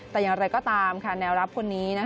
แต่อย่างไรก็ตามแนวรับคนนี้